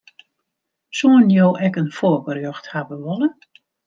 Soenen jo ek in foargerjocht hawwe wolle?